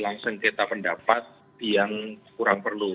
langsung sengketa pendapat yang kurang perlu